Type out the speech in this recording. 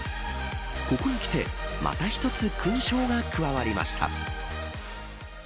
ここへきてまた１つ勲章が加わりました。